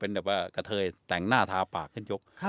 เป็นกระเทยต่างหน้าทาปากขึ้นชก